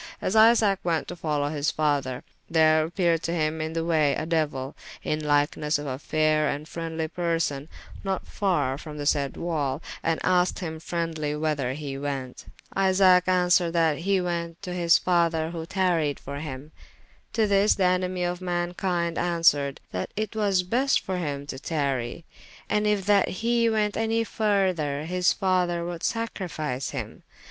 As Isaac went to follow his father, there appeared to him in the way a Deuyl, in lykenesse of a fayre and freendly person, not farre from the sayde wall, and asked hym freendlye whyther he went. Isaac answered that he went to his [p.352] father who tarryed for him. To this the enemie of mankynde answered, that it was best for hym to tarrye, and yf that he went anye further, his father would sacrifice him.